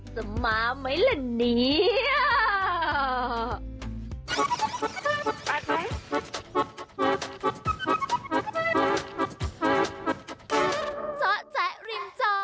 จะมาไหมล่ะเนี่ย